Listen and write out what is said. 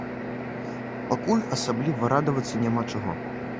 Пакуль асабліва радавацца няма чаго.